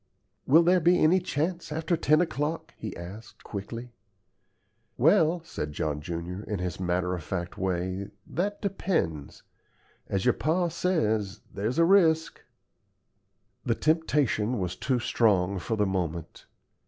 "Will there be any chance after ten o'clock?" he asked, quickly. "Well," said John junior, in his matter of fact way, "that depends. As your pa says, there's a risk." The temptation was too strong for the moment.